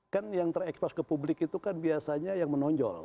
kan yang terekspos ke publik itu kan biasanya yang menonjol